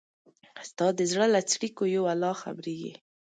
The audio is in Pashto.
ستا د زړه له څړیکو یو الله خبریږي